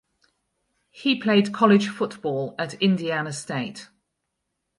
He played college football at Indiana State.